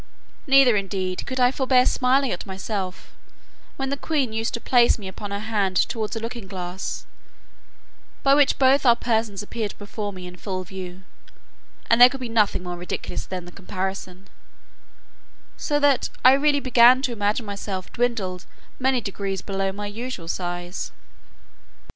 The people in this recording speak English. Neither, indeed, could I forbear smiling at myself, when the queen used to place me upon her hand towards a looking glass, by which both our persons appeared before me in full view together; and there could be nothing more ridiculous than the comparison; so that I really began to imagine myself dwindled many degrees below my usual size.